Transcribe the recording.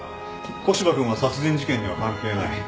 古芝君は殺人事件には関係ない。